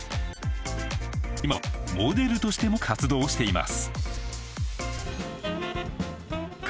今はモデルとしても活動しています。